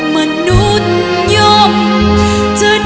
ไม่เร่รวนภาวะผวังคิดกังคัน